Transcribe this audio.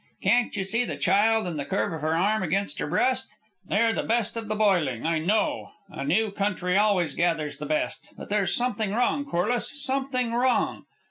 Can't you see the child in the curve of her arm against her breast! They're the best of the boiling, I know, a new country always gathers the best, but there's something wrong, Corliss, something wrong.